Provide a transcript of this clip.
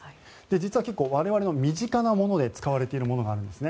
実は結構、我々の身近なもので使われているものがあるんです。